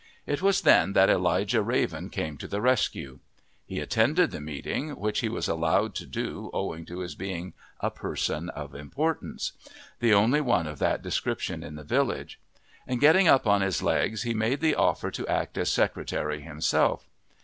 It was then that Elijah Raven came to the rescue. He attended the meeting, which he was allowed to do owing to his being a person of importance the only one of that description in the village; and getting up on his legs he made the offer to act as secretary himself.